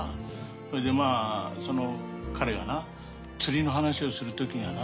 それでまあその彼がな釣りの話をするときがな